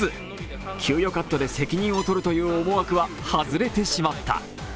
給与カットで責任をとるという思惑は外れてしまった。